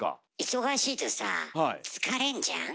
忙しいとさ疲れんじゃん？